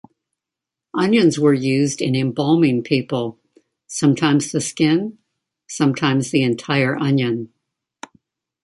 Onions were used in embalming people - sometimes the skin, sometimes the entire onion.